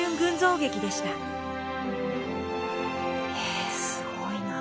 えすごいな。